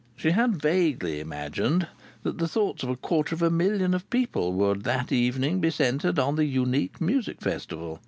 She had vaguely imagined that the thoughts of a quarter of a million of people would that evening be centred on the unique Musical Festival.